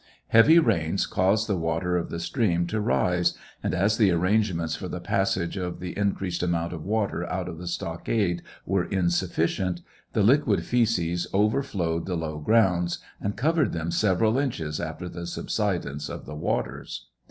Heavy rains caused the water of the stream to rise, and as the arrangements for the passage of the increased amount of water out of the stockade were insufficient, the liquid fiECes overflowed the low grounds, and covered them several inches after the subsidence of the waters.